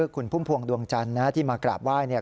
คุณพุ่มพวงดวงจันทร์นะที่มากราบไหว้